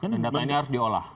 dan data ini harus diolah